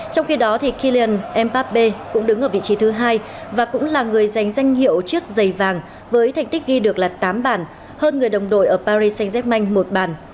trong khi đó thì kylian mbappé cũng đứng ở vị trí thứ hai và cũng là người giành danh hiệu chiếc giày vàng với thành tích ghi được là tám bàn hơn người đồng đội ở paris saint germain một bàn